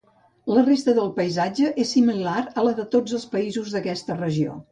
La resta del paisatge és similar al de tots els països d'aquesta regió.